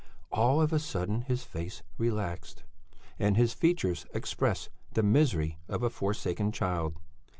All of a sudden his face relaxed and his features expressed the misery of a forsaken child.